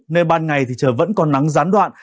nên ban ngày thì trời vẫn còn nắng gián đoạn